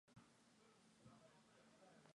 Тэд хоцрох юм биш явж л байна биз.